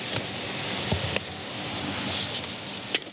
โปรดติดตามต่อไป